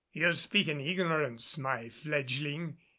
"You speak in ignorance, my fledgling.